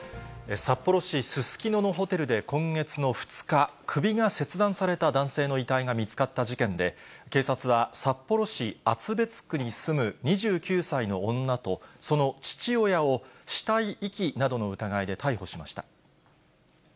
札幌市すすきののホテルで今月の２日、首が切断された男性の遺体が見つかった事件で、警察は札幌市厚別区に住む２９歳の女とその父親を死体遺棄などの疑いで逮捕しました。